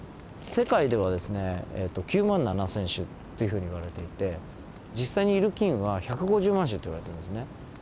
世界ではですねえっと９万７，０００種というふうにいわれていて実際にいる菌は１５０万種といわれてますね。